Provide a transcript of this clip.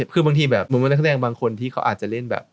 คือบางทีแบบบางคนที่เค้าอาจจะเล่นแบบ